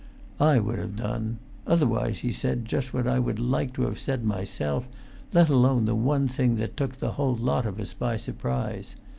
I would have done; otherwise, he said just what I would like to have said myself, let alone the one thing that took the whole lot of us by surprise.